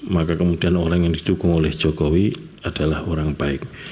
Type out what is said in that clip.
maka kemudian orang yang didukung oleh jokowi adalah orang baik